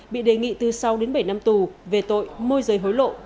bị đề nghị từ sáu đến bảy năm tù về tội môi rời hối lộ